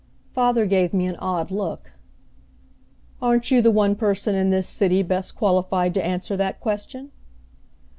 Father gave me an odd look. "Aren't you the one person in this city best qualified to answer that question?"